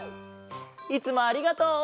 いつもありがとう。